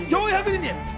４００人に？